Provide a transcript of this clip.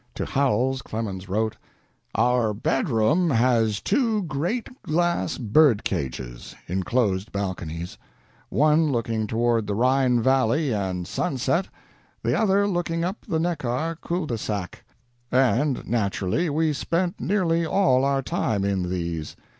To Howells, Clemens wrote: "Our bedroom has two great glass bird cages (inclosed balconies), one looking toward the Rhine Valley and sunset, the other looking up the Neckar cul de sac, and, naturally, we spent nearly all our time in these.